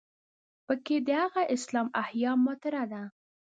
په کې د هغه اسلام احیا مطرح ده.